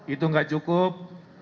itu gak cukup